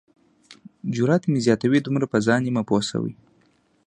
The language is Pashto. جرات مې زیاتوي دومره په ځان یمه پوه شوی.